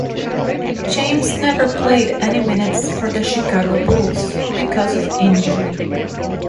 James never played any minutes for the Chicago Bulls because of injury.